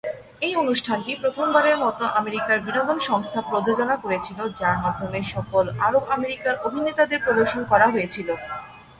এই অনুষ্ঠানটি প্রথমবারের মত আমেরিকার বিনোদন সংস্থা প্রযোজনা করেছিল যার মধ্যমে সকল আরব-আমেরিকার অভিনেতাদের প্রদর্শন করা হয়েছিল।